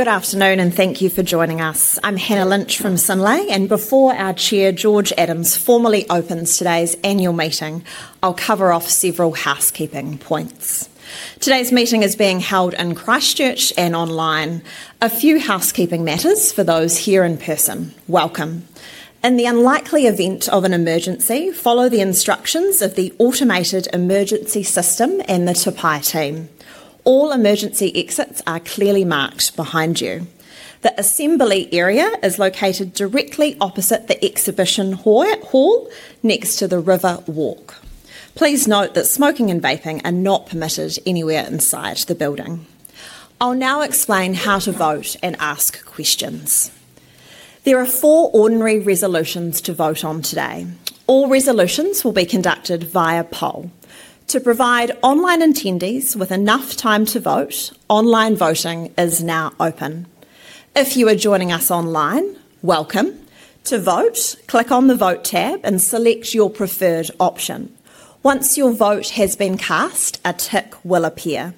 Good afternoon, and thank you for joining us. I'm Hannah Lynch from Synlait, and before our Chair, George Adams, formally opens today's annual meeting, I'll cover off several housekeeping points. Today's meeting is being held in Christchurch and online. A few housekeeping matters for those here in person: welcome. In the unlikely event of an emergency, follow the instructions of the automated emergency system and the supply team. All emergency exits are clearly marked behind you. The assembly area is located directly opposite the exhibition hall, next to the river walk. Please note that smoking and vaping are not permitted anywhere inside the building. I'll now explain how to vote and ask questions. There are four ordinary resolutions to vote on today. All resolutions will be conducted via poll. To provide online attendees with enough time to vote, online voting is now open. If you are joining us online, welcome. To vote, click on the Vote Tab and select your preferred option. Once your vote has been cast, a tick will appear.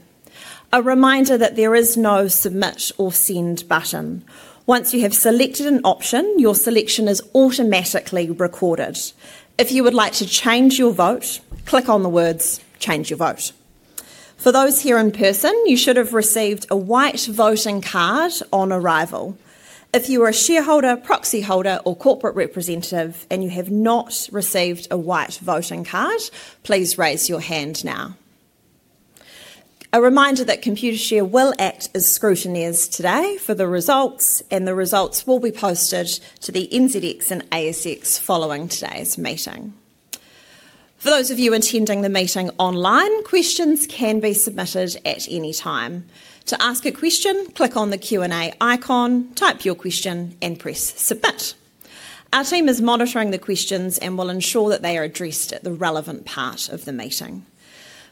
A reminder that there is no Submit or Send Button. Once you have selected an option, your selection is automatically recorded. If you would like to change your vote, click on the words "Change your vote." For those here in person, you should have received a white voting card on arrival. If you are a shareholder, proxy holder, or corporate representative and you have not received a white voting card, please raise your hand now. A reminder that Computershare will act as scrutineers today for the results, and the results will be posted to the NZX and ASX following today's meeting. For those of you attending the meeting online, questions can be submitted at any time. To ask a question, click on the Q&A icon, type your question, and press Submit. Our team is monitoring the questions and will ensure that they are addressed at the relevant part of the meeting.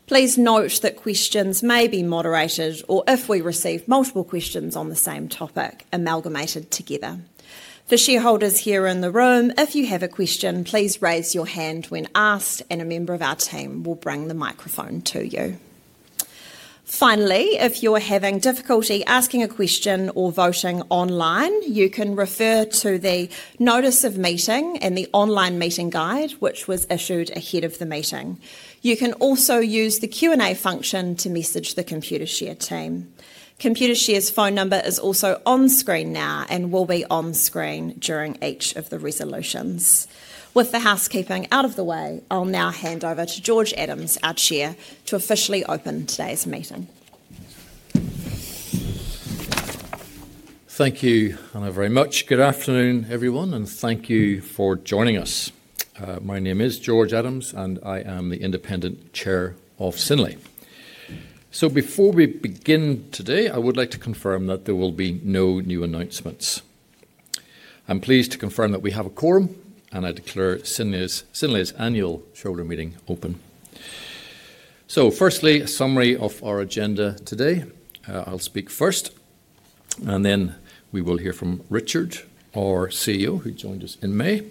Please note that questions may be moderated, or if we receive multiple questions on the same topic, amalgamated together. For shareholders here in the room, if you have a question, please raise your hand when asked, and a member of our team will bring the microphone to you. Finally, if you're having difficulty asking a question or voting online, you can refer to the Notice of Meeting and the Online Meeting Guide, which was issued ahead of the meeting. You can also use the Q&A function to message the Computershare team. Computershare's phone number is also on screen now and will be on screen during each of the resolutions. With the housekeeping out of the way, I'll now hand over to George Adams, our Chair, to officially open today's meeting. Thank you, Hannah, very much. Good afternoon, everyone, and thank you for joining us. My name is George Adams, and I am the Independent Chair of Synlait. Before we begin today, I would like to confirm that there will be no new announcements. I'm pleased to confirm that we have a quorum, and I declare Synlait's annual shareholder meeting open. Firstly, a summary of our agenda today. I'll speak first, and then we will hear from Richard, our CEO, who joined us in May,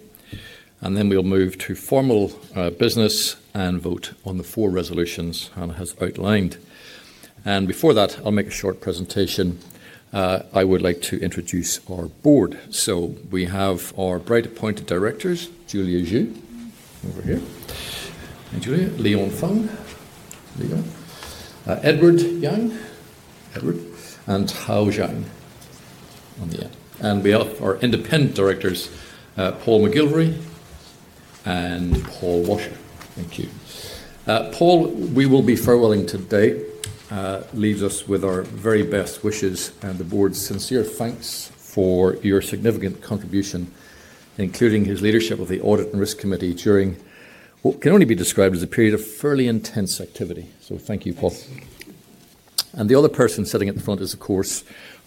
and then we'll move to formal business and vote on the four resolutions Hannah has outlined. Before that, I'll make a short presentation. I would like to introduce our board. We have our Bright-appointed directors, Julia Zhu over here, and Julia, Leon Fung, Leon, Edward Yang, Edward, and Tao Zhang on the end. We have our Independent Directors, Paul McGilvary and Paul Washer. Thank you. Paul, we will be farewelling today. Leave us with our very best wishes and the Board's sincere thanks for your significant contribution, including his leadership of the Audit and Risk Committee during what can only be described as a period of fairly intense activity. Thank you, Paul. The other person sitting at the front is, of course,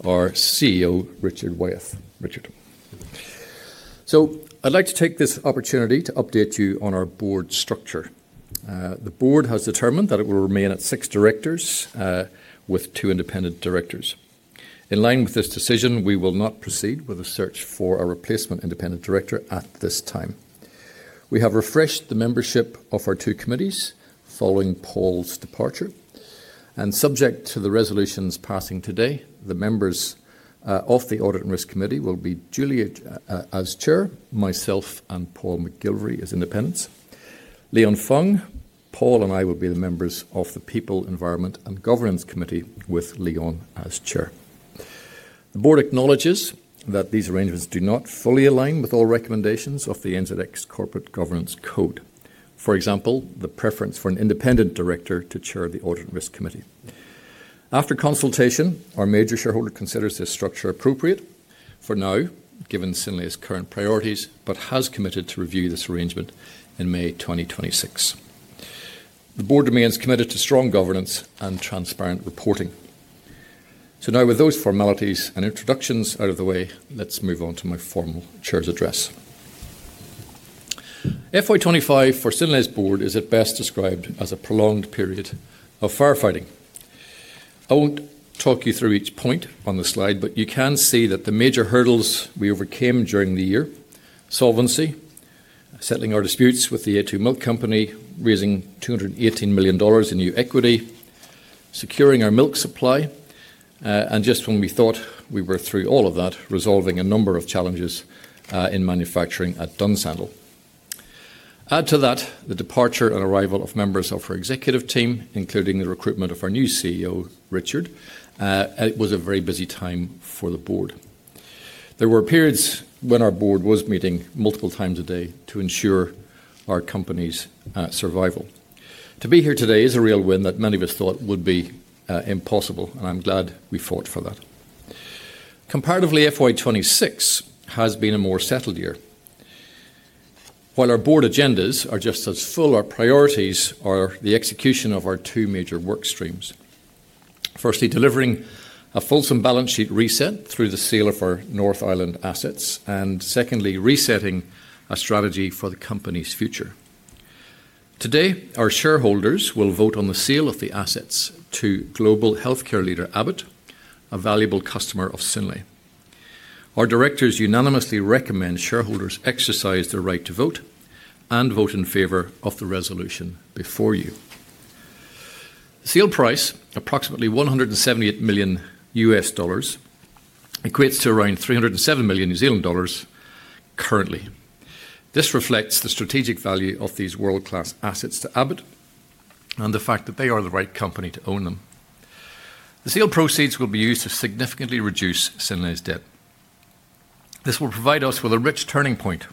our CEO, Richard Wyeth. Richard. I would like to take this opportunity to update you on our Board structure. The Board has determined that it will remain at six Directors with two Independent Directors. In line with this decision, we will not proceed with a search for a replacement Independent Director at this time. We have refreshed the membership of our two committees following Paul's departure, and subject to the resolutions passing today, the members of the Audit and Risk Committee will be Julia as Chair, myself, and Paul McGilvary, as Independents. Leon Fung, Paul, and I will be the members of the People, Environment, and Governance Committee with Leon as Chair. The board acknowledges that these arrangements do not fully align with all recommendations of the NZX Corporate Governance Code. For example, the preference for an Independent Director to Chair the Audit and Risk Committee. After consultation, our major shareholder considers this structure appropriate for now, given Synlait's current priorities, but has committed to review this arrangement in May 2026. The Board remains committed to strong governance and transparent reporting. Now, with those formalities and introductions out of the way, let's move on to my formal Chair's address. FY2025 for Synlait's Board is at best described as a prolonged period of firefighting. I won't talk you through each point on the slide, but you can see that the major hurdles we overcame during the year: solvency, settling our disputes with the a2 Milk Company, raising 218 million dollars in new equity, securing our milk supply, and just when we thought we were through all of that, resolving a number of challenges in manufacturing at Dunsandel. Add to that the departure and arrival of members of our Executive team, including the recruitment of our new CEO, Richard. It was a very busy time for the Board. There were periods when our Board was meeting multiple times a day to ensure our company's survival. To be here today is a real win that many of us thought would be impossible, and I'm glad we fought for that. Comparatively, FY26 has been a more settled year. While our Board agendas are just as full, our priorities are the execution of our two major work streams. Firstly, delivering a fulsome balance sheet reset through the sale of our North Island assets, and secondly, resetting a strategy for the company's future. Today, our shareholders will vote on the sale of the assets to global healthcare leader Abbott, a valuable customer of Synlait. Our Directors unanimously recommend shareholders exercise their right to vote and vote in favor of the resolution before you. The sale price, approximately $178 million, equates to around 307 million New Zealand dollars currently. This reflects the strategic value of these world-class assets to Abbott and the fact that they are the right company to own them. The sale proceeds will be used to significantly reduce Synlait's debt. This will provide us with a rich turning point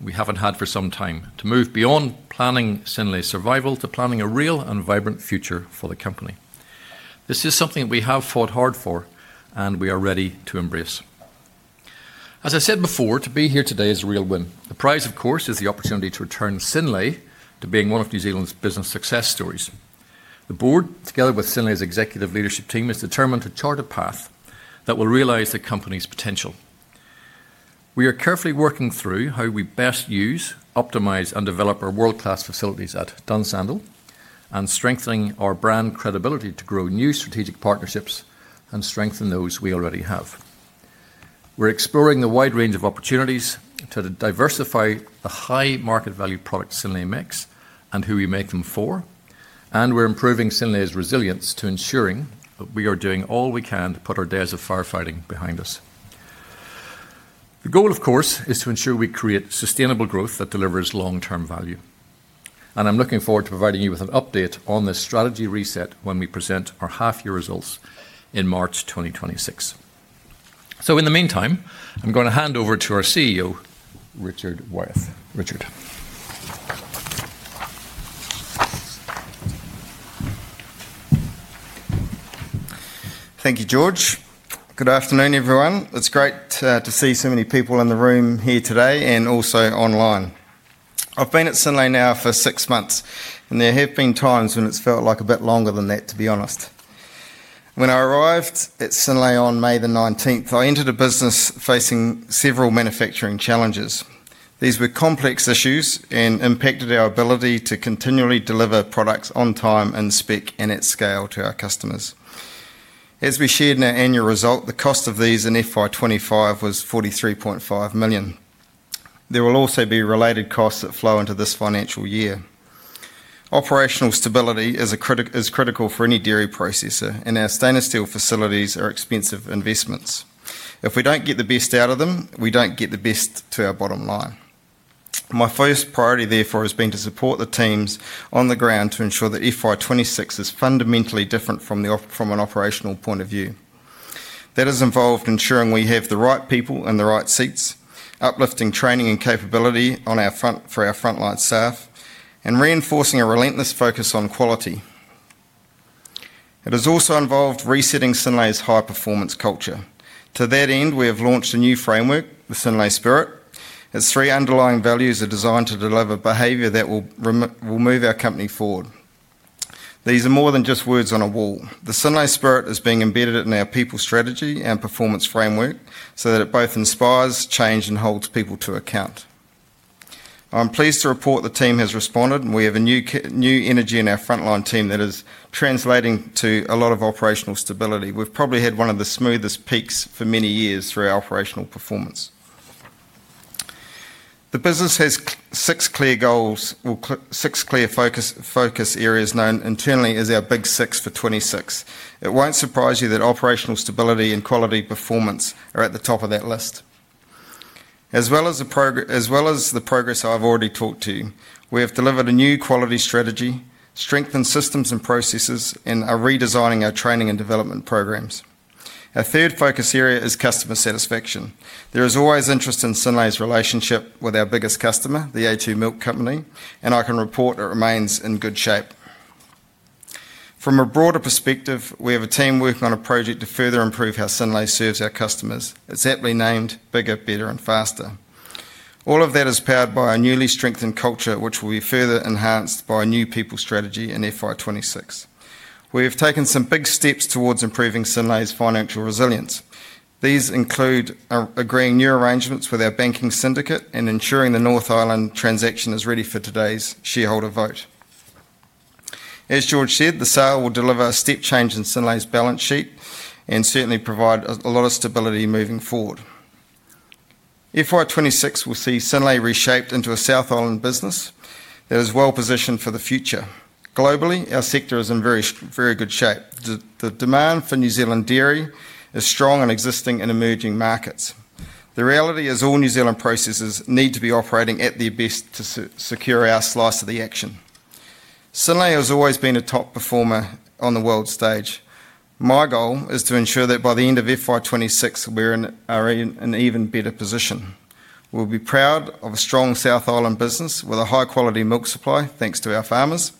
we haven't had for some time to move beyond planning Synlait's survival to planning a real and vibrant future for the company. This is something that we have fought hard for, and we are ready to embrace. As I said before, to be here today is a real win. The prize, of course, is the opportunity to return Synlait to being one of New Zealand's business success stories. The bBoard, together with Synlait's Executive leadership team, is determined to chart a path that will realise the company's potential. We are carefully working through how we best use, optimise, and develop our world-class facilities at Dunsandel and strengthening our brand credibility to grow new strategic partnerships and strengthen those we already have. We're exploring the wide range of opportunities to diversify the high market value products Synlait makes and who we make them for, and we're improving Synlait's resilience to ensuring that we are doing all we can to put our days of firefighting behind us. The goal, of course, is to ensure we create sustainable growth that delivers long-term value. I'm looking forward to providing you with an update on this strategy reset when we present our half-year results in March 2026. In the meantime, I'm going to hand over to our CEO, Richard Wyeth. Richard. Thank you, George. Good afternoon, everyone. It's great to see so many people in the room here today and also online. I've been at Synlait now for six months, and there have been times when it's felt like a bit longer than that, to be honest. When I arrived at Synlait on May the 19th, I entered a business facing several manufacturing challenges. These were complex issues and impacted our ability to continually deliver products on time and spec and at scale to our customers. As we shared in our annual result, the cost of these in FY2025 was $43.5 million. There will also be related costs that flow into this financial year. Operational stability is critical for any dairy processor, and our stainless steel facilities are expensive investments. If we don't get the best out of them, we don't get the best to our bottom line. My first priority, therefore, has been to support the teams on the ground to ensure that FY2026 is fundamentally different from an operational point of view. That has involved ensuring we have the right people in the right seats, uplifting training and capability for our frontline staff, and reinforcing a relentless focus on quality. It has also involved resetting Synlait's high-performance culture. To that end, we have launched a new framework, the Synlait Spirit. Its three underlying values are designed to deliver behaviour that will move our company forward. These are more than just words on a wall. The Synlait Spirit is being embedded in our people strategy and performance framework so that it both inspires, changes, and holds people to account. I'm pleased to report the team has responded, and we have a new energy in our frontline team that is translating to a lot of operational stability. We've probably had one of the smoothest peaks for many years through our operational performance. The business has six clear goals, six clear focus areas known internally as our Big 6 for 2026. It won't surprise you that operational stability and quality performance are at the top of that list. As well as the progress I've already talked to you, we have delivered a new quality strategy, strengthened systems and processes, and are redesigning our training and development programs. Our third focus area is customer satisfaction. There is always interest in Synlait's relationship with our biggest customer, the a2 Milk Company, and I can report it remains in good shape. From a broader perspective, we have a team working on a project to further improve how Synlait serves our customers. It's aptly named, "Bigger, Better, and Faster." All of that is powered by our newly strengthened culture, which will be further enhanced by a new people strategy in FY2026. We have taken some big steps towards improving Synlait's financial resilience. These include agreeing new arrangements with our banking syndicate and ensuring the North Island transaction is ready for today's shareholder vote. As George said, the sale will deliver a step change in Synlait's balance sheet and certainly provide a lot of stability moving forward. FY2026 will see Synlait reshaped into a South Island business that is well positioned for the future. Globally, our sector is in very good shape. The demand for New Zealand dairy is strong and existing in emerging markets. The reality is all New Zealand processors need to be operating at their best to secure our slice of the action. Synlait has always been a top performer on the world stage. My goal is to ensure that by the end of FY2026, we're in an even better position. We'll be proud of a strong South Island business with a high-quality milk supply thanks to our farmers,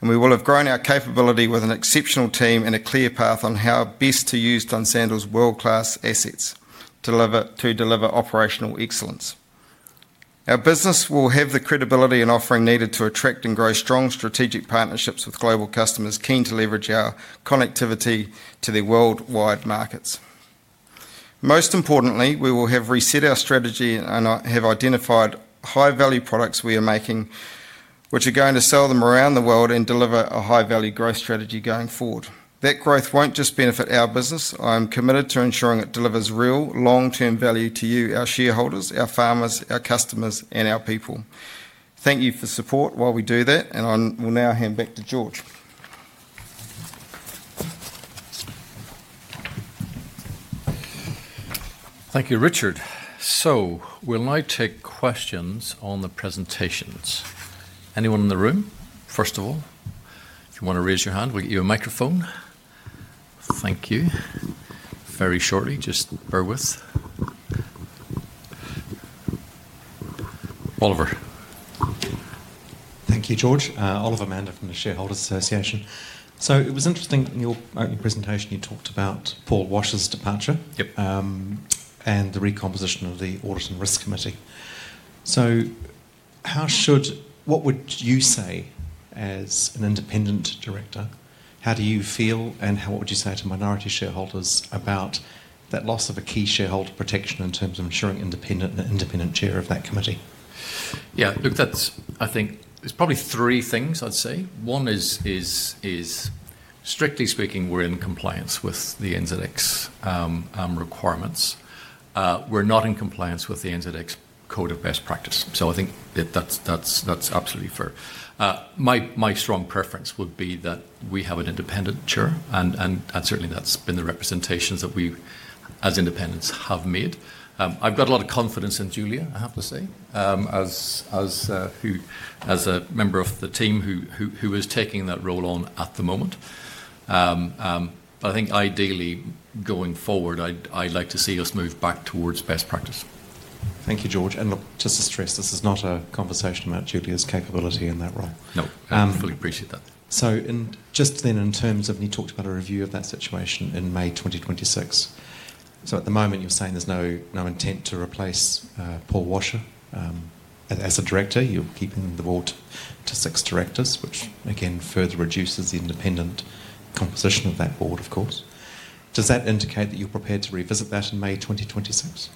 and we will have grown our capability with an exceptional team and a clear path on how best to use Dunsandel's world-class assets to deliver operational excellence. Our business will have the credibility and offering needed to attract and grow strong strategic partnerships with global customers keen to leverage our connectivity to the worldwide markets. Most importantly, we will have reset our strategy and have identified high-value products we are making, which are going to sell them around the world and deliver a high-value growth strategy going forward. That growth won't just benefit our business. I am committed to ensuring it delivers real long-term value to you, our shareholders, our farmers, our customers, and our people. Thank you for your support while we do that, and I will now hand back to George. Thank you, Richard. We will now take questions on the presentations. Anyone in the room? First of all, if you want to raise your hand, we will get you a microphone. Thank you. Very shortly, just bear with. Oliver. Thank you, George. Oliver Mander from the Shareholders Association. It was interesting in your presentation you talked about Paul Washer's departure and the recomposition of the Audit and Risk Committee. What would you say as an Independent Director? How do you feel, and what would you say to minority shareholders about that loss of a key shareholder protection in terms of ensuring Independent Chair of that committee? Yeah, look, that's, I think, there's probably three things I'd say. One is, strictly speaking, we're in compliance with the NZX requirements. We're not in compliance with the NZX Code of Best Practice. I think that's absolutely fair. My strong preference would be that we have an Independent Chair, and certainly that's been the representations that we as Independents have made. I've got a lot of confidence in Julia, I have to say, as a member of the team who is taking that role on at the moment. I think ideally, going forward, I'd like to see us move back towards best practice. Thank you, George. Just to stress, this is not a conversation about Julia's capability in that role. No, I fully appreciate that. Just then, in terms of, and you talked about a review of that situation in May 2026. At the moment, you're saying there's no intent to replace Paul Washer as a Director. You're keeping the board to six Directors, which again further reduces the Independent composition of that Board, of course. Does that indicate that you're prepared to revisit that in May 2026?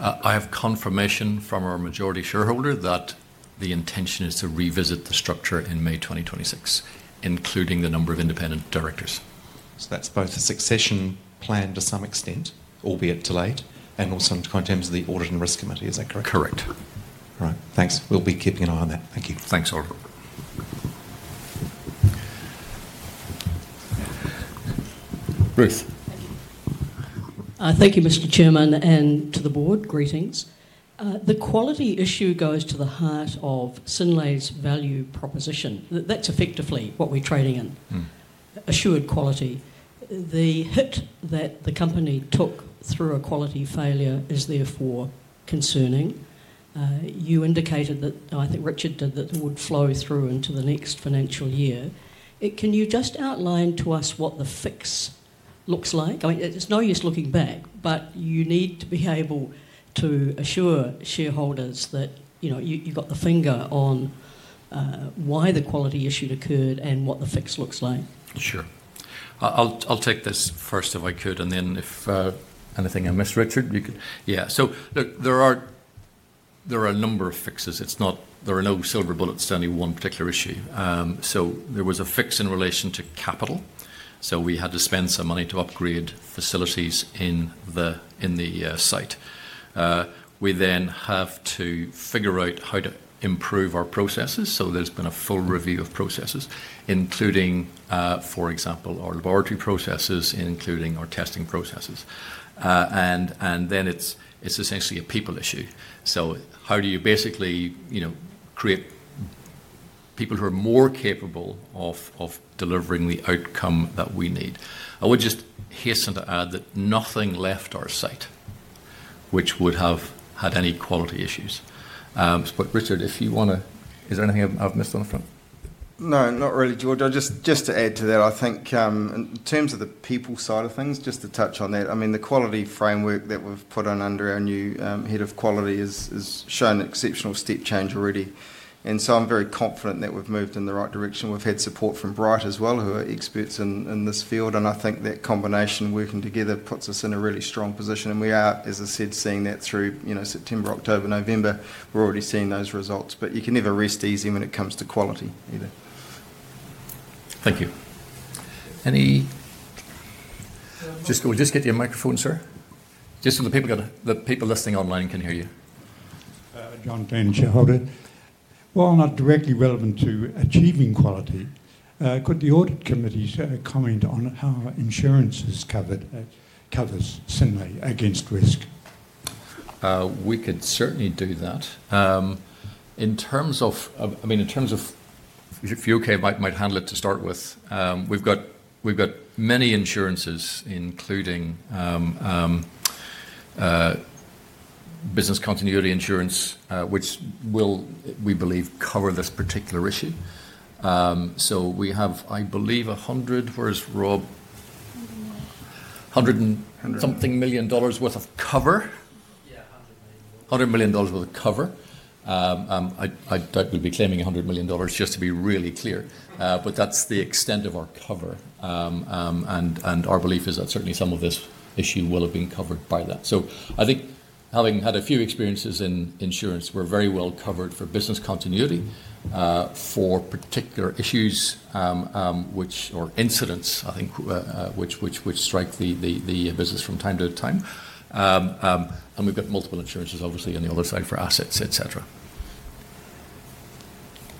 I have confirmation from our majority shareholder that the intention is to revisit the structure in May 2026, including the number of Independent Directors. That is both a succession plan to some extent, albeit delayed, and also in terms of the Audit and Risk Committee. Is that correct? Correct. All right. Thanks. We'll be keeping an eye on that. Thank you. Thanks, Oliver. Ruth. Thank you, Mr. Chairman, and to the board, greetings. The quality issue goes to the heart of Synlait's value proposition. That's effectively what we're trading in, assured quality. The hit that the company took through a quality failure is therefore concerning. You indicated that, I think Richard did, that it would flow through into the next financial year. Can you just outline to us what the fix looks like? I mean, there's no use looking back, but you need to be able to assure shareholders that you've got the finger on why the quality issue occurred and what the fix looks like. Sure. I'll take this first if I could, and then if anything I missed, Richard, you could. Yeah. Look, there are a number of fixes. There are no silver bullets to any one particular issue. There was a fix in relation to capital. We had to spend some money to upgrade facilities in the site. We then have to figure out how to improve our processes. There has been a full review of processes, including, for example, our laboratory processes, including our testing processes. It is essentially a people issue. How do you basically create people who are more capable of delivering the outcome that we need? I would just hasten to add that nothing left our site which would have had any quality issues. Richard, if you want to, is there anything I've missed on the front? No, not really, George. Just to add to that, I think in terms of the people side of things, just to touch on that, I mean, the quality framework that we've put on under our new Head of Quality has shown exceptional step change already. I am very confident that we've moved in the right direction. We've had support from Bright as well, who are experts in this field. I think that combination working together puts us in a really strong position. We are, as I said, seeing that through September, October, November. We're already seeing those results. You can never rest easy when it comes to quality either. Thank you. Any? We'll just get your microphone, sir. Just so the people listening online can hear you. While not directly relevant to achieving quality, could the Audit Committee comment on how insurances cover Synlait against risk? We could certainly do that. I mean, in terms of, if you're okay, might handle it to start with, we've got many insurances, including business continuity insurance, which will, we believe, cover this particular issue. We have, I believe, 100, whereas Rob, 100 and something million dollars worth of cover? Yeah, $100 million. $100 million worth of cover. I would be claiming $100 million just to be really clear. That is the extent of our cover. Our belief is that certainly some of this issue will have been covered by that. I think having had a few experiences in insurance, we are very well covered for business continuity for particular issues or incidents, which strike the business from time to time. We have multiple insurances, obviously, on the other side for assets, et cetera.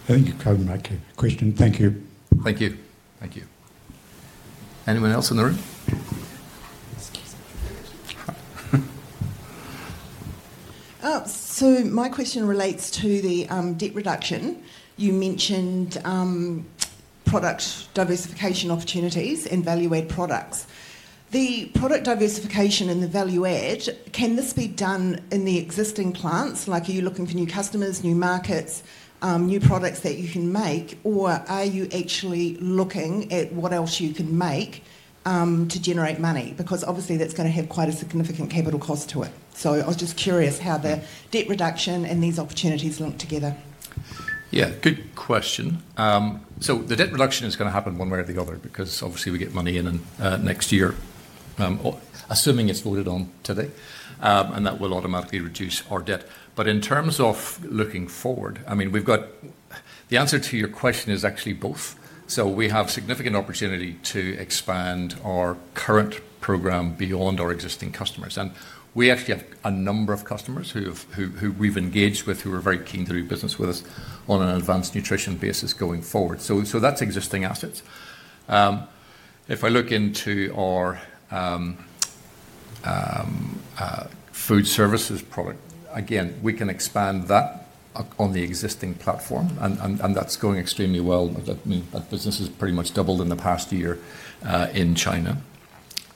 Thank you, Carter, Michael. Question? Thank you. Thank you. Thank you. Anyone else in the room? My question relates to the debt reduction. You mentioned product diversification opportunities and value-add products. The product diversification and the value-add, can this be done in the existing plants? Like, are you looking for new customers, new markets, new products that you can make, or are you actually looking at what else you can make to generate money? Because obviously, that's going to have quite a significant capital cost to it. I was just curious how the debt reduction and these opportunities link together. Yeah, good question. The debt reduction is going to happen one way or the other because obviously we get money in next year, assuming it's voted on today, and that will automatically reduce our debt. In terms of looking forward, I mean, the answer to your question is actually both. We have significant opportunity to expand our current program beyond our existing customers. We actually have a number of customers who we've engaged with who are very keen to do business with us on an advanced nutrition basis going forward. That's existing assets. If I look into our food services product, again, we can expand that on the existing platform, and that's going extremely well. That business has pretty much doubled in the past year in China.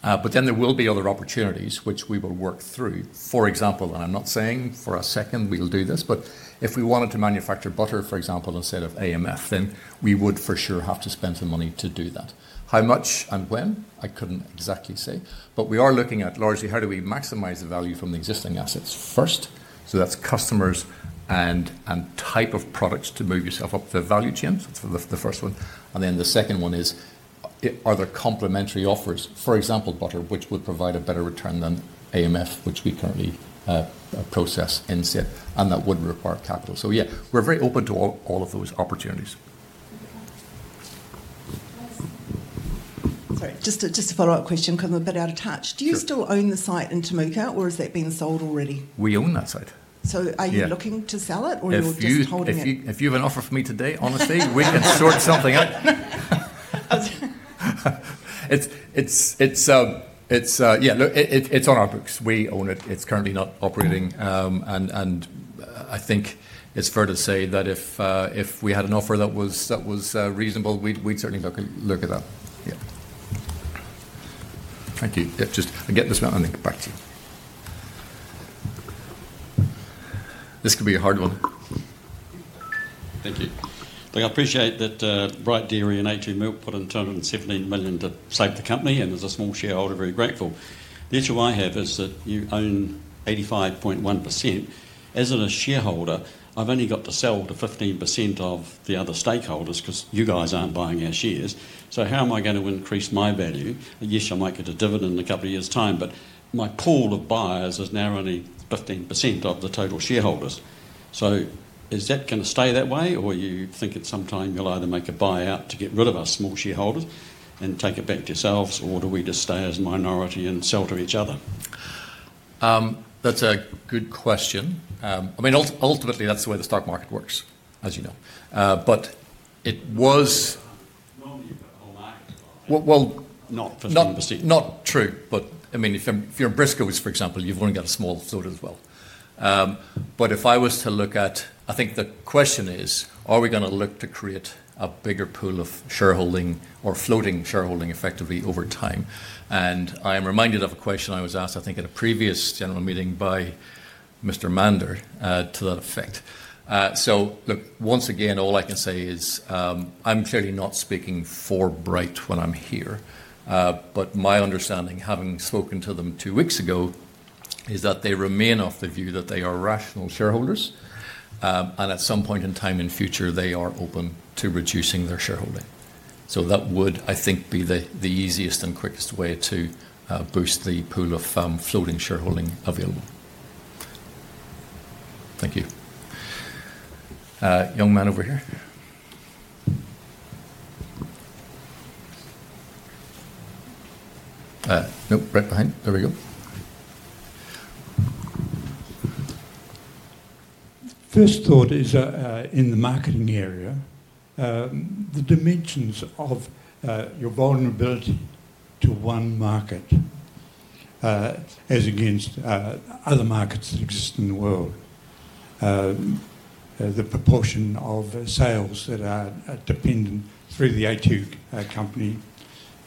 There will be other opportunities which we will work through. For example, and I'm not saying for a second we'll do this, but if we wanted to manufacture butter, for example, instead of AMF, then we would for sure have to spend some money to do that. How much and when? I couldn't exactly say. We are looking at largely how do we maximize the value from the existing assets first. That is customers and type of products to move yourself up the value chain. That is the first one. The second one is, are there complementary offers, for example, butter, which would provide a better return than AMF, which we currently process and set, and that would require capital. Yeah, we're very open to all of those opportunities. Sorry, just a follow-up question. I'm a bit out of touch. Do you still own the site in Temuka, or has that been sold already? We own that site. Are you looking to sell it, or you're just holding it? If you have an offer for me today, honestly, we can sort something out. Yeah, look, it's on our books. We own it. It's currently not operating. I think it's fair to say that if we had an offer that was reasonable, we'd certainly look at that. Yeah. Thank you. Yeah, just I get this now, and then back to you. This could be a hard one. Thank you. Look, I appreciate that Bright Dairy and a2 Milk put in $217 million to save the company, and as a small shareholder, very grateful. The issue I have is that you own 85.1%. As a shareholder, I've only got to sell to 15% of the other stakeholders because you guys aren't buying our shares. How am I going to increase my value? Yes, I might get a dividend in a couple of years' time, but my pool of buyers is now only 15% of the total shareholders. Is that going to stay that way, or you think at some time you'll either make a buyout to get rid of us small shareholders and take it back to yourselves, or do we just stay as a minority and sell to each other? That's a good question. I mean, ultimately, that's the way the stock market works, as you know. It was. Normally, you've got a whole market to buy. Not for certain. Not true. I mean, if you're in Briscoes, for example, you've only got a small float as well. If I was to look at, I think the question is, are we going to look to create a bigger pool of shareholding or floating shareholding effectively over time? I am reminded of a question I was asked, I think, at a previous general meeting by Mr. Mander to that effect. Look, once again, all I can say is I'm clearly not speaking for Bright when I'm here. My understanding, having spoken to them two weeks ago, is that they remain of the view that they are rational shareholders, and at some point in time in future, they are open to reducing their shareholding. That would, I think, be the easiest and quickest way to boost the pool of floating shareholding available. Thank you. Young man over here. No, right behind. There we go. First thought is in the marketing area, the dimensions of your vulnerability to one market as against other markets that exist in the world. The proportion of sales that are dependent through the a2 Milk Company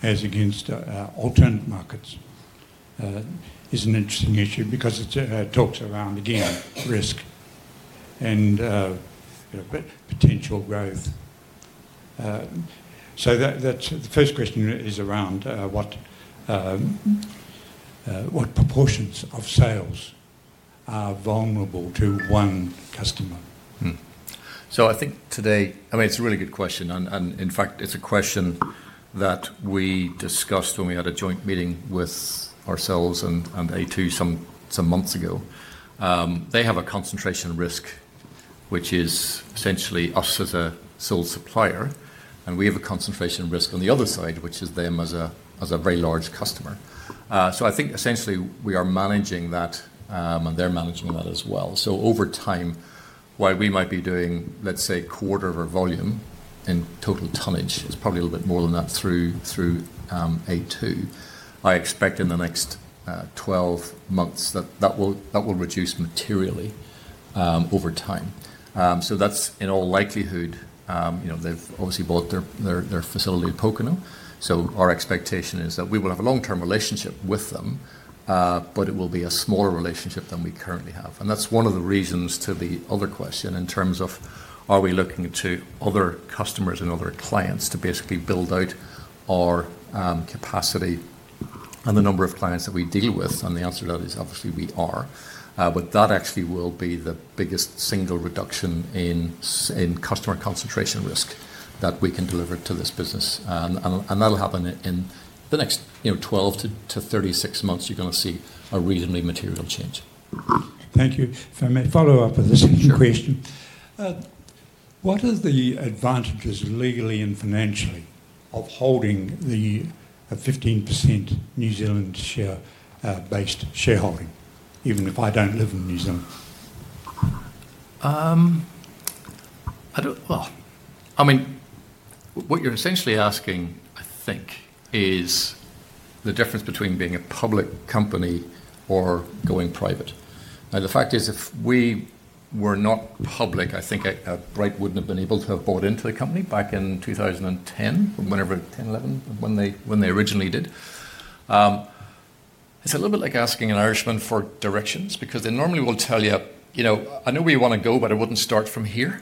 as against alternative markets is an interesting issue because it talks around, again, risk and potential growth. The first question is around what proportions of sales are vulnerable to one customer. I think today, I mean, it's a really good question. In fact, it's a question that we discussed when we had a joint meeting with ourselves and the a2 Milk Company some months ago. They have a concentration risk, which is essentially us as a sole supplier, and we have a concentration risk on the other side, which is them as a very large customer. I think essentially we are managing that, and they're managing that as well. Over time, while we might be doing, let's say, a quarter of our volume in total tonnage, it's probably a little bit more than that through the a2. I expect in the next 12 months that that will reduce materially over time. That is in all likelihood. They've obviously bought their facility at Pokeno. Our expectation is that we will have a long-term relationship with them, but it will be a smaller relationship than we currently have. That is one of the reasons to the other question in terms of are we looking to other customers and other clients to basically build out our capacity and the number of clients that we deal with? The answer to that is obviously we are. That actually will be the biggest single reduction in customer concentration risk that we can deliver to this business. That will happen in the next 12-36 months. You are going to see a reasonably material change. Thank you. If I may follow up with this question. What are the advantages legally and financially of holding the 15% New Zealand-based shareholding, even if I don't live in New Zealand? I mean, what you're essentially asking, I think, is the difference between being a public company or going private. Now, the fact is, if we were not public, I think Bright wouldn't have been able to have bought into the company back in 2010, whenever it was, 2010, 2011, when they originally did. It's a little bit like asking an Irishman for directions because they normally will tell you, "I know where you want to go, but I wouldn't start from here."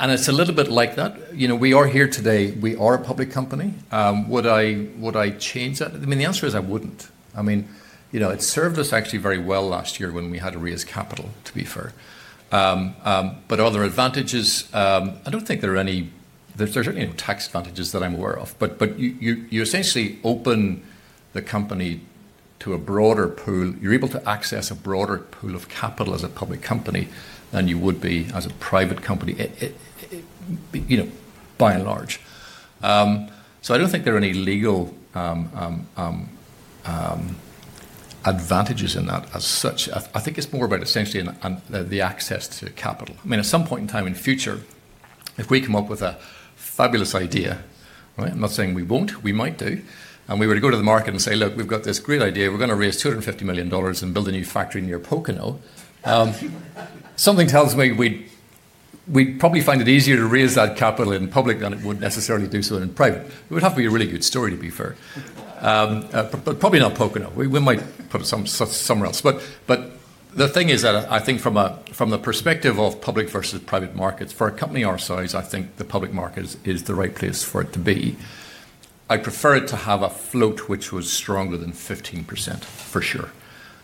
It's a little bit like that. We are here today. We are a public company. Would I change that? I mean, the answer is I wouldn't. I mean, it served us actually very well last year when we had to raise capital, to be fair. Other advantages, I don't think there are any tax advantages that I'm aware of. You essentially open the company to a broader pool. You're able to access a broader pool of capital as a public company than you would be as a private company, by and large. I don't think there are any legal advantages in that as such. I think it's more about essentially the access to capital. I mean, at some point in time in the future, if we come up with a fabulous idea, right? I'm not saying we won't. We might do. And we were to go to the market and say, "Look, we've got this great idea. We're going to raise $250 million and build a new factory near Pokeno." Something tells me we'd probably find it easier to raise that capital in public than it would necessarily do so in private. It would have to be a really good story, to be fair. Probably not Pokeno. We might put it somewhere else. The thing is that I think from the perspective of public versus private markets, for a company our size, I think the public market is the right place for it to be. I prefer it to have a float which was stronger than 15%, for sure.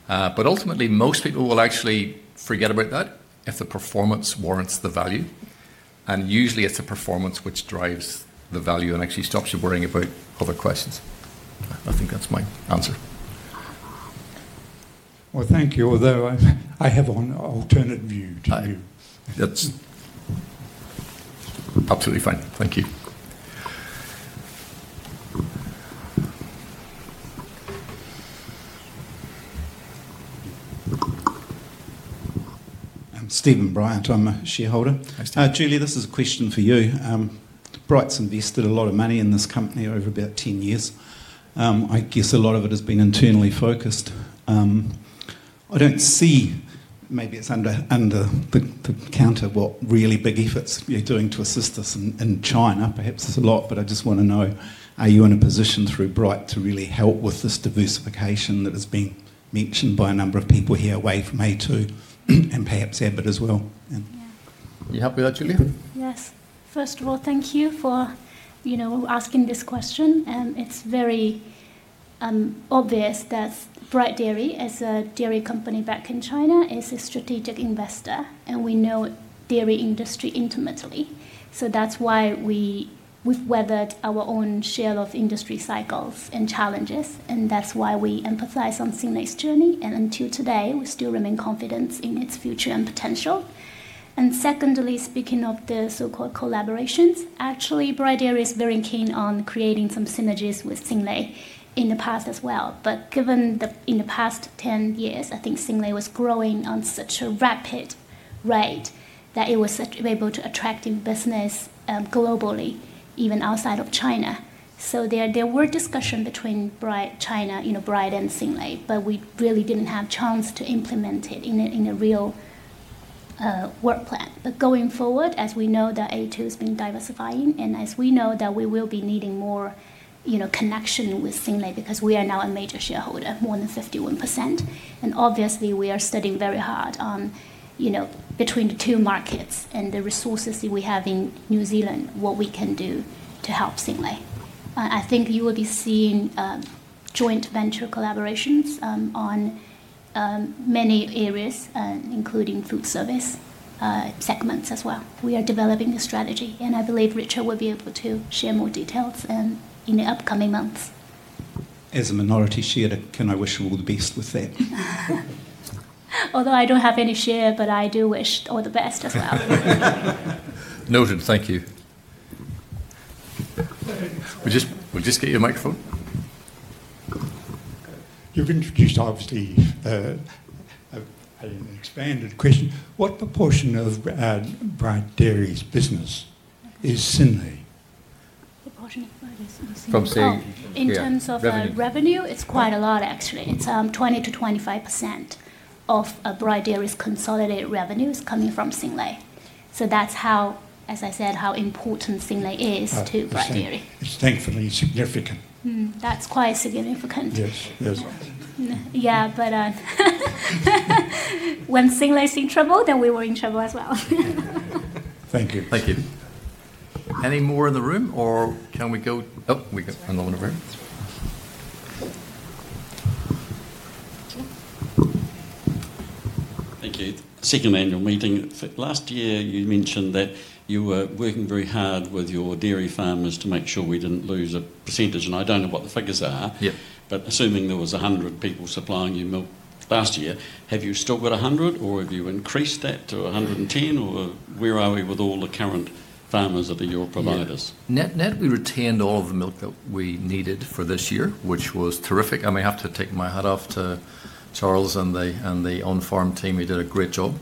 Ultimately, most people will actually forget about that if the performance warrants the value. Usually, it is the performance which drives the value and actually stops you worrying about other questions. I think that is my answer. Thank you. Although I have an alternate view to you. That's absolutely fine. Thank you. I'm Stephen Bryant. I'm a shareholder. Julie, this is a question for you. Bright's invested a lot of money in this company over about 10 years. I guess a lot of it has been internally focused. I don't see, maybe it's under the counter, what really big efforts you're doing to assist us in China. Perhaps it's a lot, but I just want to know, are you in a position through Bright to really help with this diversification that has been mentioned by a number of people here away from a2 and perhaps Abbott as well? Yeah. Can you help me with that, Julia? Yes. First of all, thank you for asking this question. It's very obvious that Bright Dairy, as a dairy company back in China, is a strategic investor, and we know the dairy industry intimately. That's why we've weathered our own share of industry cycles and challenges, and that's why we emphasize on Synlait's journey. Until today, we still remain confident in its future and potential. Secondly, speaking of the so-called collaborations, actually, Bright Dairy is very keen on creating some synergies with Synlait in the past as well. Given that in the past 10 years, I think Synlait was growing at such a rapid rate that it was able to attract business globally, even outside of China. There were discussions between Bright and Synlait, but we really didn't have a chance to implement it in a real work plan. Going forward, as we know that the a2 has been diversifying, and as we know that we will be needing more connection with Synlait because we are now a major shareholder, more than 51%. Obviously, we are studying very hard between the two markets and the resources that we have in New Zealand, what we can do to help Synlait. I think you will be seeing joint venture collaborations on many areas, including food service segments as well. We are developing a strategy, and I believe Richard will be able to share more details in the upcoming months. As a minority share-taker, I wish you all the best with that. Although I don't have any share, but I do wish all the best as well. Noted. Thank you. We'll just get you a microphone. You've introduced, obviously, an expanded question. What proportion of Bright Dairy's business is Synlait? What proportion of Bright Dairy's business is Synlait? In terms of revenue, it's quite a lot, actually. It's 20%-25% of Bright Dairy's consolidated revenue is coming from Synlait. That's how, as I said, how important Synlait is to Bright Dairy. Thankfully, it's significant. That's quite significant. Yes. Yeah, but when Synlait is in trouble, then we were in trouble as well. Thank you. Thank you. Any more in the room, or can we go? Oh, we got another one over here. Thank you. Synlait Manual Meeting. Last year, you mentioned that you were working very hard with your dairy farmers to make sure we didn't lose a percentage. I don't know what the figures are, but assuming there was 100 people supplying you milk last year, have you still got 100, or have you increased that to 110, or where are we with all the current farmers that are your providers? Net we retained all of the milk that we needed for this year, which was terrific. I may have to take my hat off to Charles and the on-farm team. We did a great job.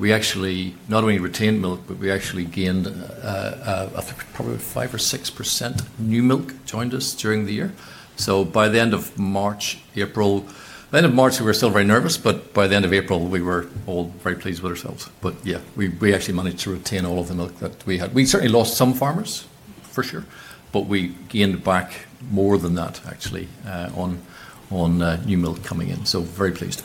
We actually not only retained milk, but we actually gained probably 5% or 6% new milk joined us during the year. By the end of March, April, by the end of March, we were still very nervous, but by the end of April, we were all very pleased with ourselves. We actually managed to retain all of the milk that we had. We certainly lost some farmers, for sure, but we gained back more than that, actually, on new milk coming in. Very pleased.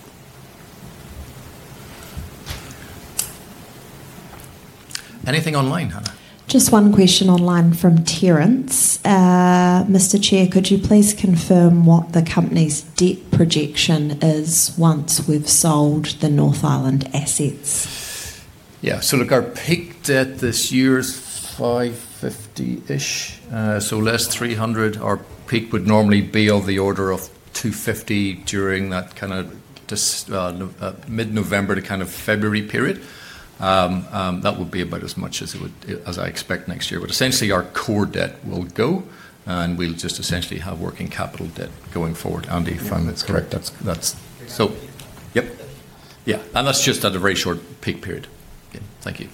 Anything online, Hannah? Just one question online from Terence. Mr. Chair, could you please confirm what the company's debt projection is once we've sold the North Island assets? Yeah. Look, our peak debt this year is $550 million-ish. Less $300 million, our peak would normally be of the order of $250 million during that kind of mid-November to kind of February period. That would be about as much as I expect next year. Essentially, our core debt will go, and we'll just essentially have working capital debt going forward. Andy, if I'm correct. Yep. That's just at a very short peak period. Thank you.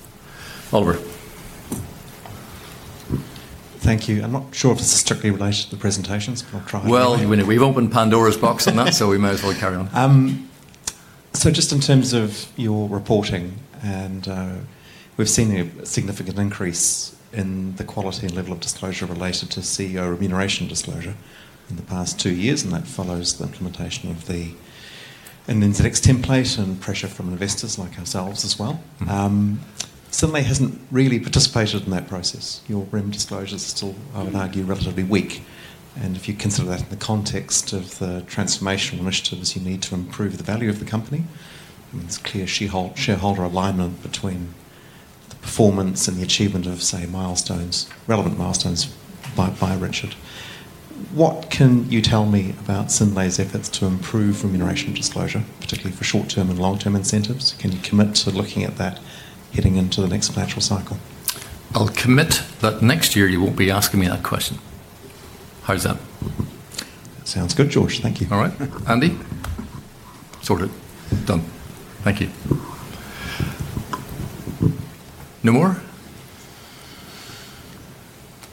Thank you. I'm not sure if this is strictly related to the presentations, but I'll try. We've opened Pandora's box on that, so we may as well carry on. Just in terms of your reporting, we've seen a significant increase in the quality and level of disclosure related to CEO remuneration disclosure in the past two years. That follows the implementation of the NZX template and pressure from investors like ourselves as well. Synlait hasn't really participated in that process. Your revenue disclosures are still, I would argue, relatively weak. If you consider that in the context of the transformational initiatives you need to improve the value of the company, I mean, it's clear shareholder alignment between the performance and the achievement of, say, relevant milestones by Richard. What can you tell me about Synlait's efforts to improve remuneration disclosure, particularly for short-term and long-term incentives? Can you commit to looking at that heading into the next financial cycle? I'll commit that next year you won't be asking me that question. How's that? That sounds good, George. Thank you. All right. Andy? Sorted. Done. Thank you. No more?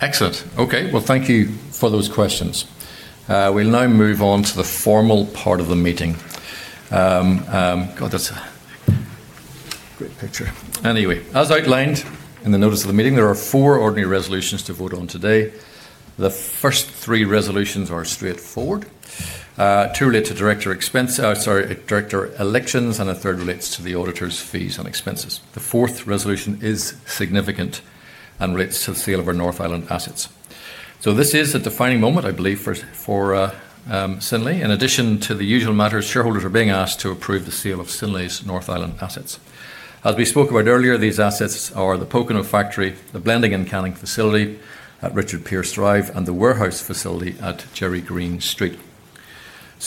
Excellent. Okay. Thank you for those questions. We will now move on to the formal part of the meeting. God, that is a great picture. Anyway, as outlined in the notice of the meeting, there are four ordinary resolutions to vote on today. The first three resolutions are straightforward. Two relate to Director elections, and a third relates to the Auditor's fees and expenses. The fourth resolution is significant and relates to the sale of our North Island assets. This is a defining moment, I believe, for Synlait. In addition to the usual matters, shareholders are being asked to approve the sale of Synlait's North Island assets. As we spoke about earlier, these assets are the Pokeno factory, the blending and canning facility at Richard Pearce Drive, and the warehouse facility at Cherry Green Street.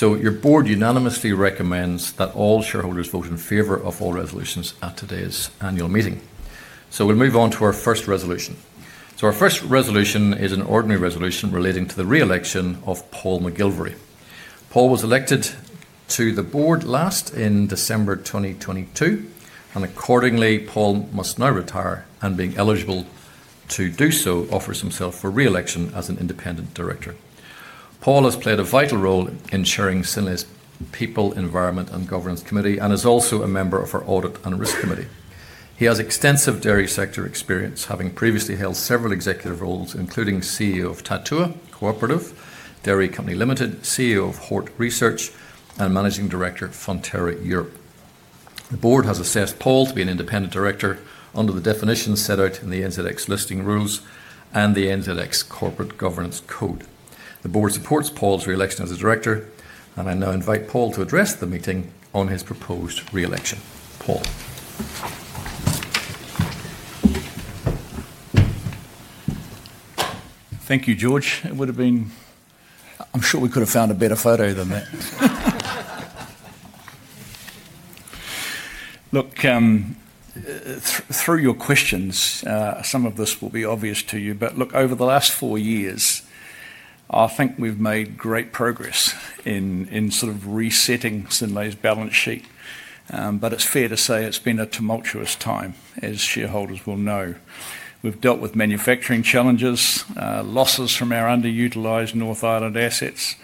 Your Board unanimously recommends that all shareholders vote in favor of all resolutions at today's annual meeting. We'll move on to our first resolution. Our first resolution is an ordinary resolution relating to the re-election of Paul McGilvary. Paul was elected to the Board last in December 2022, and accordingly, Paul must now retire and, being eligible to do so, offers himself for re-election as an Independent Director. Paul has played a vital role in chairing Synlait's People, Environment, and Governance Committee and is also a member of our Audit and Risk Committee. He has extensive dairy sector experience, having previously held several Executive roles, including CEO of Tatua Co-operative Dairy Company Limited, CEO of HortResearch, and Managing Director of Fonterra Europe. The Board has assessed Paul to be an Independent Director under the definitions set out in the NZX Listing Rules and the NZX Corporate Governance Code. The board supports Paul's re-election as a Director, and I now invite Paul to address the meeting on his proposed re-election. Paul. Thank you, George. It would have been—I'm sure we could have found a better photo than that. Look, through your questions, some of this will be obvious to you. Look, over the last four years, I think we've made great progress in sort of resetting Synlait's balance sheet. It's fair to say it's been a tumultuous time, as shareholders will know. We've dealt with manufacturing challenges, losses from our underutilized North Island assets,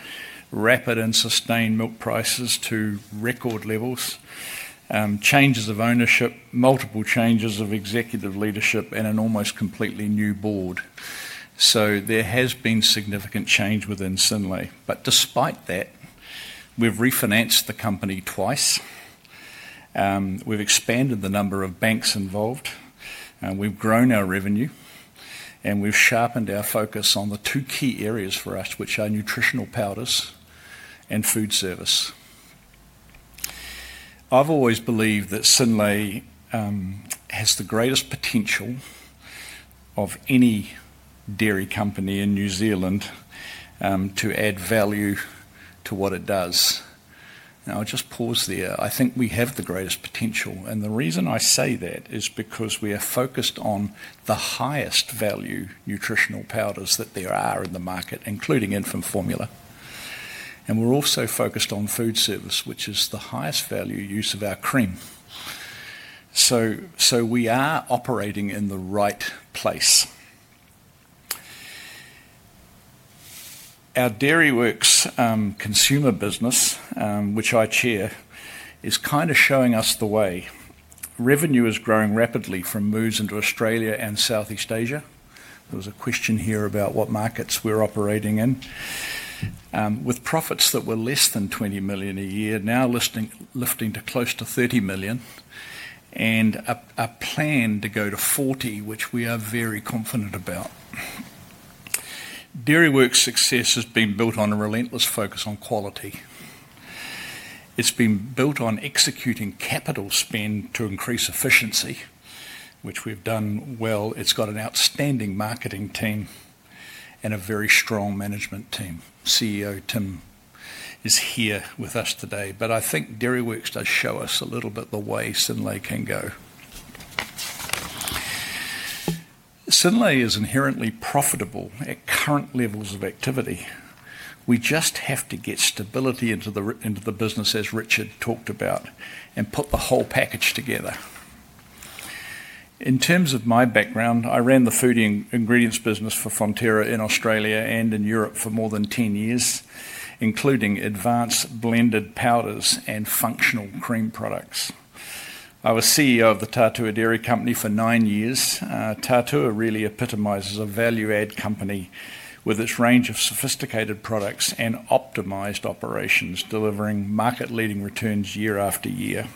rapid and sustained milk prices to record levels, changes of ownership, multiple changes of Executive leadership, and an almost completely new Board. There has been significant change within Synlait. Despite that, we've refinanced the company twice. We've expanded the number of banks involved, and we've grown our revenue, and we've sharpened our focus on the two key areas for us, which are Nutritional Powders and Food Service. I've always believed that Synlait has the greatest potential of any dairy company in New Zealand to add value to what it does. Now, I'll just pause there. I think we have the greatest potential. The reason I say that is because we are focused on the highest value Nutritional Powders that there are in the market, including infant formula. We're also focused on Food Service, which is the highest value use of our cream. We are operating in the right place. Our Dairyworks Consumer Business, which I Chair, is kind of showing us the way. Revenue is growing rapidly from moves into Australia and Southeast Asia. There was a question here about what markets we're operating in, with profits that were less than $20 million a year, now lifting to close to $30 million, and a plan to go to $40 million, which we are very confident about. Dairyworks' success has been built on a relentless focus on quality. It's been built on executing capital spend to increase efficiency, which we've done well. It's got an outstanding marketing team and a very strong management team. CEO Tim is here with us today. I think Dairyworks does show us a little bit the way Synlait can go. Synlait is inherently profitable at current levels of activity. We just have to get stability into the business, as Richard talked about, and put the whole package together. In terms of my background, I ran the food ingredients business for Fonterra in Australia and in Europe for more than 10 years, including advanced blended powders and functional cream products. I was CEO of the Tatua Dairy Company for nine years. Tatua really epitomizes a value-add company with its range of sophisticated products and optimized operations, delivering market-leading returns year after year.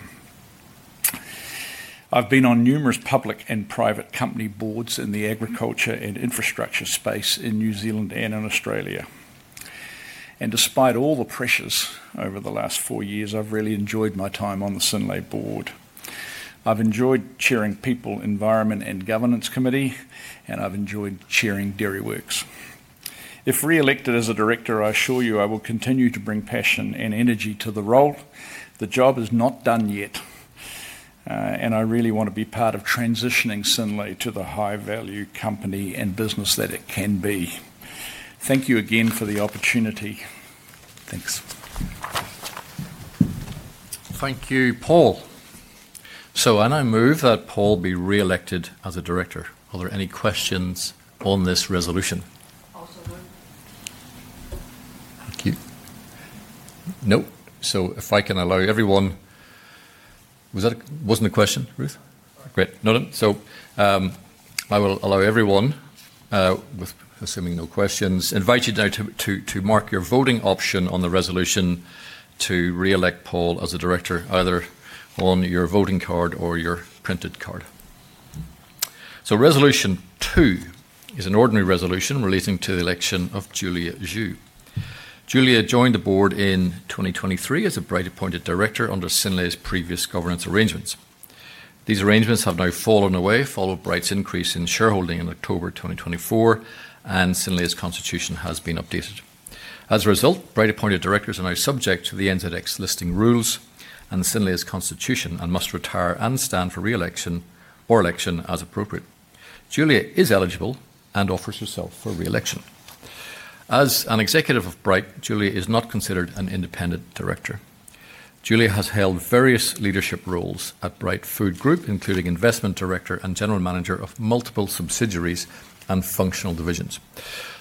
I've been on numerous public and private company Boards in the agriculture and infrastructure space in New Zealand and in Australia. Despite all the pressures over the last four years, I've really enjoyed my time on the Synlait Board. I've enjoyed chairing People, Environment, and Governance Committee, and I've enjoyed chairing Dairyworks. If re-elected as a Director, I assure you I will continue to bring passion and energy to the role. The job is not done yet, and I really want to be part of transitioning Synlait to the high-value company and business that it can be. Thank you again for the opportunity. Thanks. Thank you, Paul. I now move that Paul be re-elected as a Director. Are there any questions on this resolution? Also, no. Thank you. Nope. If I can allow everyone—wasn't a question, Ruth? Great. Noted. I will allow everyone, assuming no questions, invite you now to mark your voting option on the resolution to re-elect Paul as a Director, either on your voting card or your printed card. Resolution two is an ordinary resolution relating to the election of Julia Zhu. Julia joined the Board in 2023 as a Bright Appointed Director under Synlait's previous governance arrangements. These arrangements have now fallen away, followed by its increase in shareholding in October 2024, and Synlait's constitution has been updated. As a result, Bright Appointed Directors are now subject to the NZX Listing Rules and Synlait's constitution and must retire and stand for re-election or election as appropriate. Julia is eligible and offers herself for re-election. As an Executive of Bright, Julia is not considered an Independent Director. Julia has held various leadership roles at Bright Food Group, including Investment Director and General Manager of multiple subsidiaries and functional divisions.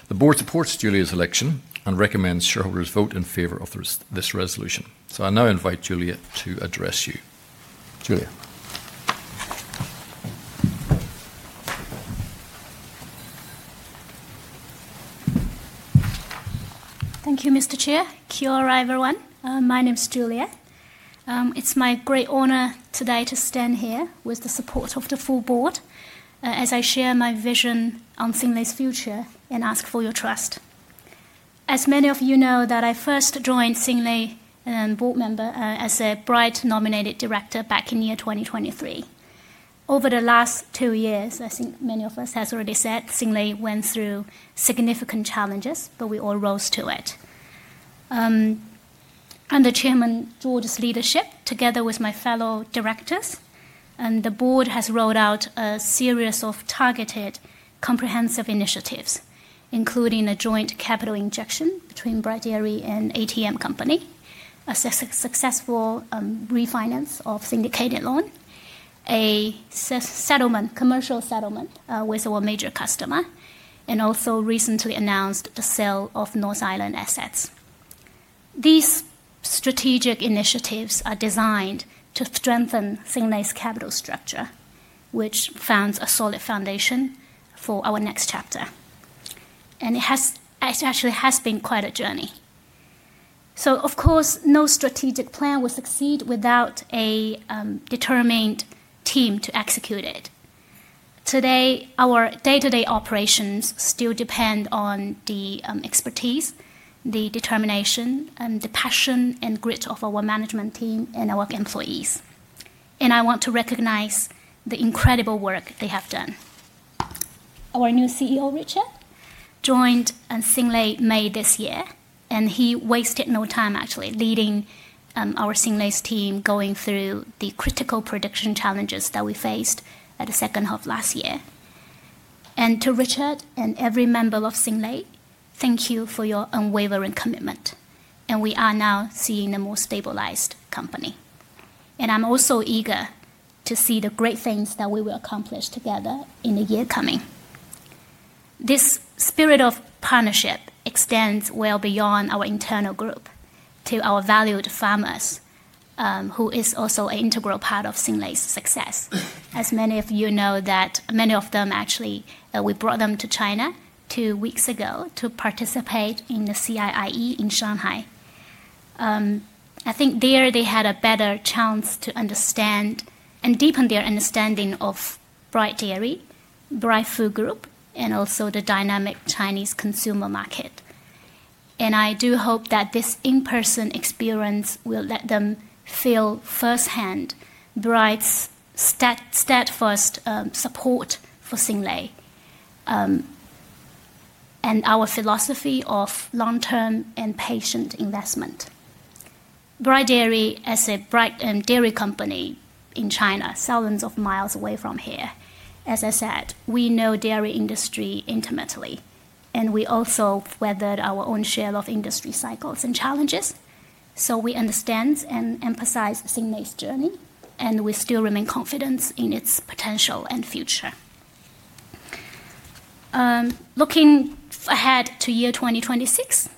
The board supports Julia's election and recommends shareholders vote in favor of this resolution. I now invite Julia to address you. Julia. Thank you, Mr. Chair. Kia ora, everyone. My name's Julia. It's my great honor today to stand here with the support of the full Board as I share my vision on Synlait's future and ask for your trust. As many of you know, I first joined Synlait as a Bright-nominated Director back in year 2023. Over the last two years, I think many of us have already said, Synlait went through significant challenges, but we all rose to it. Under Chairman George's leadership, together with my fellow Directors, the Board has rolled out a series of targeted comprehensive initiatives, including a joint capital injection between Bright Dairy and the ATM Company, a successful refinance of syndicated loan, a commercial settlement with our major customer, and also recently announced the sale of North Island assets. These strategic initiatives are designed to strengthen Synlait's capital structure, which forms a solid foundation for our next chapter. It actually has been quite a journey. Of course, no strategic plan will succeed without a determined team to execute it. Today, our day-to-day operations still depend on the expertise, the determination, and the passion and grit of our management team and our employees. I want to recognize the incredible work they have done. Our new CEO, Richard, joined Synlait in May this year, and he wasted no time, actually, leading our Synlait team through the critical production challenges that we faced in the second half last year. To Richard and every member of Synlait, thank you for your unwavering commitment. We are now seeing a more stabilized company. I'm also eager to see the great things that we will accomplish together in the year coming. This spirit of partnership extends well beyond our internal group to our valued farmers, who are also an integral part of Synlait's success. As many of you know, many of them actually we brought them to China two weeks ago to participate in the CIIE in Shanghai. I think there they had a better chance to understand and deepen their understanding of Bright Dairy, Bright Food Group, and also the dynamic Chinese consumer market. I do hope that this in-person experience will let them feel firsthand Bright's steadfast support for Synlait and our philosophy of long-term and patient investment. Bright Dairy, as a Bright Dairy company in China, thousands of miles away from here, as I said, we know dairy industry intimately, and we also weathered our own share of industry cycles and challenges. We understand and emphasize Synlait's journey, and we still remain confident in its potential and future. Looking ahead to year 2026,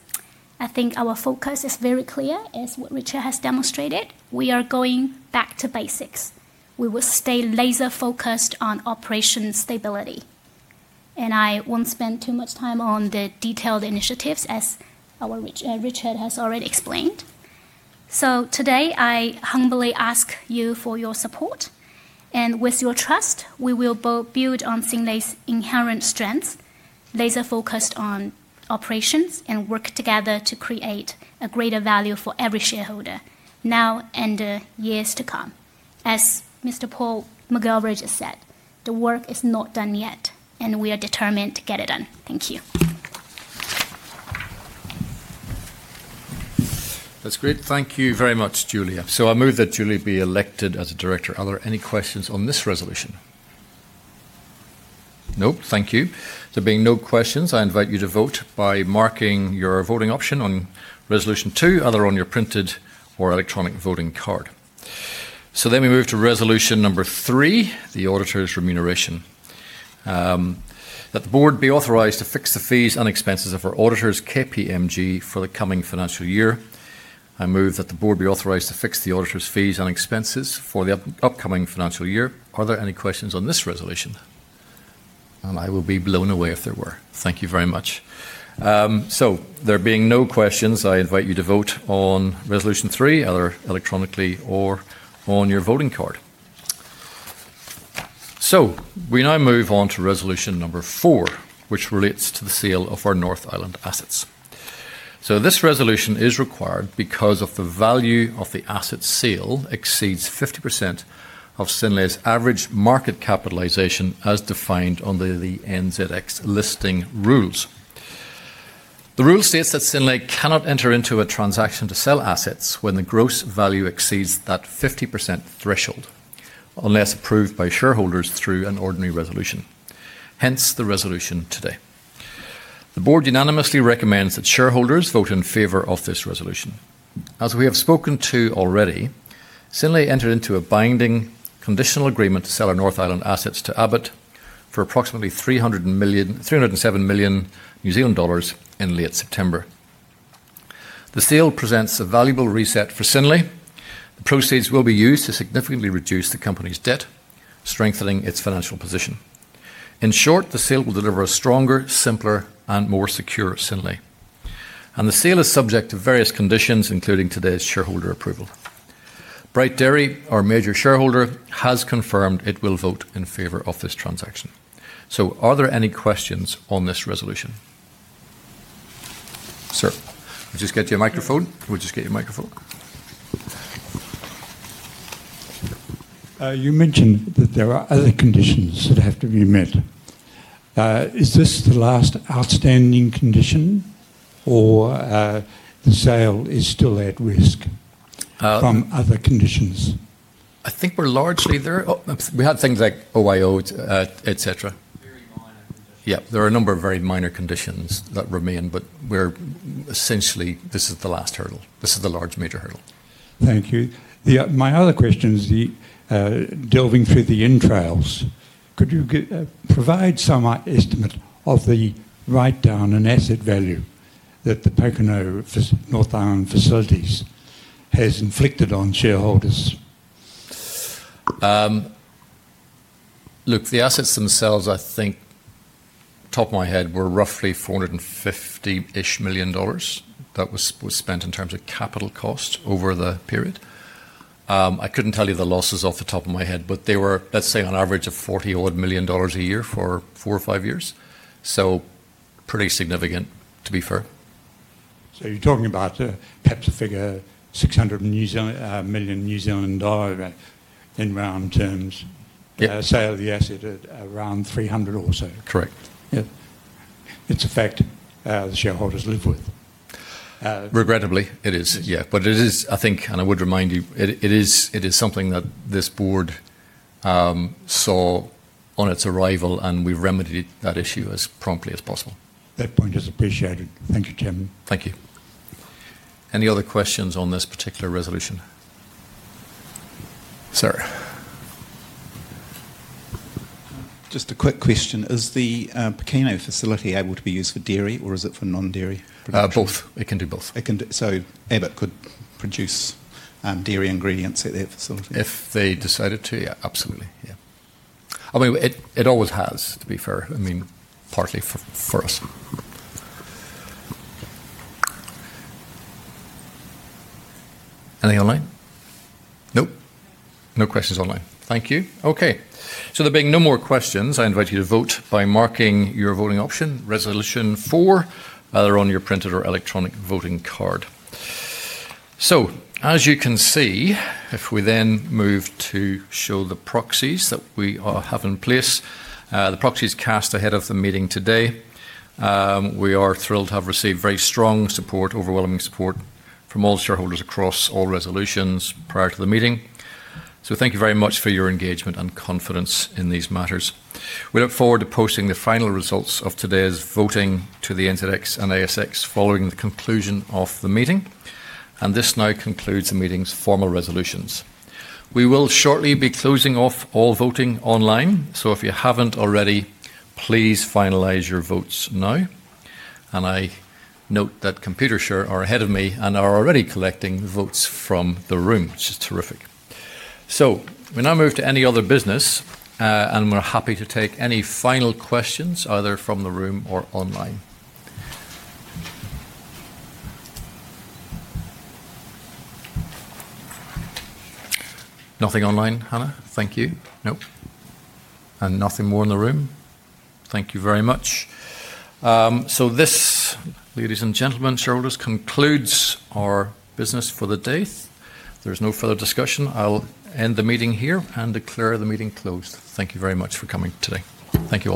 I think our focus is very clear, as Richard has demonstrated. We are going back to basics. We will stay laser-focused on operation stability. I will not spend too much time on the detailed initiatives, as Richard has already explained. Today, I humbly ask you for your support. With your trust, we will build on Synlait's inherent strengths, laser-focused on operations, and work together to create a greater value for every shareholder now and years to come. As Mr. Paul McGilvary just said, the work is not done yet, and we are determined to get it done. Thank you. That's great. Thank you very much, Julia. I move that Julia be elected as a Director. Are there any questions on this resolution? Nope. Thank you. There being no questions, I invite you to vote by marking your voting option on resolution two, either on your printed or electronic voting card. We move to resolution number three, the Auditor's remuneration. That the board be authorized to fix the fees and expenses of our Auditors, KPMG, for the coming financial year. I move that the Board be authorized to fix the auditor's fees and expenses for the upcoming financial year. Are there any questions on this resolution? I will be blown away if there were. Thank you very much. There being no questions, I invite you to vote on resolution three, either electronically or on your voting card. We now move on to resolution number four, which relates to the sale of our North Island assets. This resolution is required because the value of the asset sale exceeds 50% of Synlait's average market capitalization as defined under the NZX Listing Rules. The rule states that Synlait cannot enter into a transaction to sell assets when the gross value exceeds that 50% threshold, unless approved by shareholders through an ordinary resolution. Hence the resolution today. The Board unanimously recommends that shareholders vote in favor of this resolution. As we have spoken to already, Synlait entered into a binding conditional agreement to sell our North Island assets to Abbott for approximately 307 million New Zealand dollars in late September. The sale presents a valuable reset for Synlait. The proceeds will be used to significantly reduce the company's debt, strengthening its financial position. In short, the sale will deliver a stronger, simpler, and more secure Synlait. The sale is subject to various conditions, including today's shareholder approval. Bright Dairy, our major shareholder, has confirmed it will vote in favor of this transaction. Are there any questions on this resolution? Sir, we'll just get you a microphone. We'll just get you a microphone. You mentioned that there are other conditions that have to be met. Is this the last outstanding condition, or the sale is still at risk from other conditions? I think we're largely there. We had things like OIO, etc. Very minor conditions. Yeah, there are a number of very minor conditions that remain, but essentially, this is the last hurdle. This is the large major hurdle. Thank you. My other question is delving through the in-trials. Could you provide some estimate of the write-down and asset value that the Pokeno North Island facilities has inflicted on shareholders? Look, the assets themselves, I think, top of my head, were roughly $450 million that was spent in terms of capital cost over the period. I could not tell you the losses off the top of my head, but they were, let's say, on average, $40 million a year for four or five years. Pretty significant, to be fair. You're talking about perhaps a figure, 600 million New Zealand dollars in round terms, sale of the asset at around 300 million or so. Correct. Yeah. It's a fact the shareholders live with. Regrettably, it is, yeah. It is, I think, and I would remind you, it is something that this Board saw on its arrival, and we've remedied that issue as promptly as possible. That point is appreciated. Thank you, Chairman. Thank you. Any other questions on this particular resolution? Sir? Just a quick question. Is the Pokeno facility able to be used for dairy, or is it for non-dairy production? Both. It can do both. Abbott could produce dairy ingredients at their facility? If they decided to, yeah, absolutely. Yeah. I mean, it always has, to be fair. I mean, partly for us. Anything online? Nope. No questions online. Thank you. Okay. There being no more questions, I invite you to vote by marking your voting option, resolution four, either on your printed or electronic voting card. As you can see, if we then move to show the proxies that we have in place, the proxies cast ahead of the meeting today, we are thrilled to have received very strong support, overwhelming support from all shareholders across all resolutions prior to the meeting. Thank you very much for your engagement and confidence in these matters. We look forward to posting the final results of today's voting to the NZX and ASX following the conclusion of the meeting. This now concludes the meeting's formal resolutions. We will shortly be closing off all voting online. If you haven't already, please finalize your votes now. I note that computers are ahead of me and are already collecting votes from the room, which is terrific. We now move to any other business, and we're happy to take any final questions, either from the room or online. Nothing online, Hannah? Thank you. Nope. Nothing more in the room. Thank you very much. This, ladies and gentlemen, shareholders, concludes our business for the day. There is no further discussion. I'll end the meeting here and declare the meeting closed. Thank you very much for coming today. Thank you.